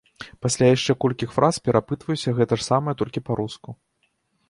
Пасля яшчэ колькіх фраз перапытваюся гэта ж самае толькі па-руску.